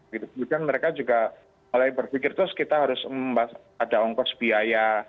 kemudian mereka juga mulai berpikir terus kita harus ada ongkos biaya